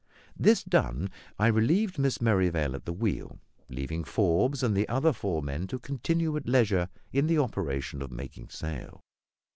This done, I relieved Miss Merrivale at the wheel, leaving Forbes and the other four men to continue at leisure the operation of making sail.